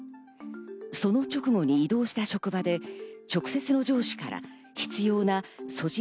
その直後に移動した職場で直接の上司から執拗なＳＯＧＩ